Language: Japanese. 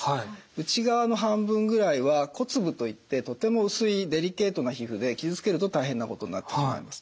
内側の半分ぐらいは骨部といってとても薄いデリケートな皮膚で傷つけると大変なことになってしまいます。